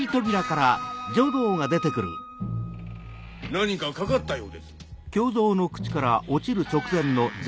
何かかかったようです。